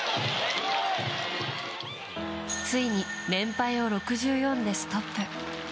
ついに連敗を６４でストップ。